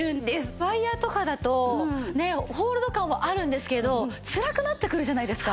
ワイヤとかだとホールド感はあるんですけどつらくなってくるじゃないですか。